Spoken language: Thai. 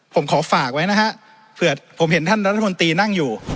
ผมขอฝากไว้นะฮะเผื่อผมเห็นท่านรัฐมนตรีนั่งอยู่